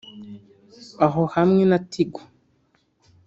aho hamwe na tigo